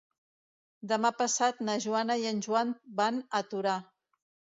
Demà passat na Jana i en Joan van a Torà.